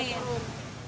iya kita burun turun nih